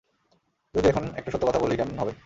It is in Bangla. যদি এখন একটা সত্যি কথা বলি, কেমন হবে?